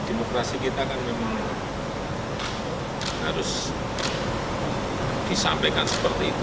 demokrasi kita kan memang harus disampaikan seperti itu